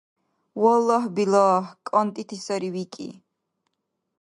— Валлагь-биллагь, кӀантӀити сари, викӀи.